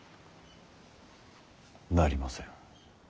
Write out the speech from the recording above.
なりません。